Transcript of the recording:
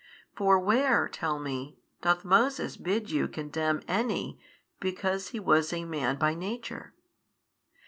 For where (tell me) doth Moses bid you condemn any because he was a man by nature?